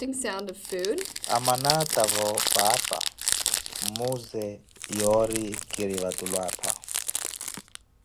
Amana atavo paapa, mmuuze yori kiri vatulu apha.